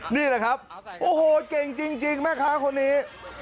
นี่แหละครับโอ้โหเก่งจริงแม่ค้าคนนี้